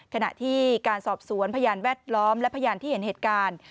ขณะที่การสอบสวนพยานแวดล้อมและพยานที่เห็นเหตุการณ์